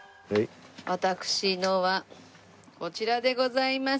私のはこちらでございます。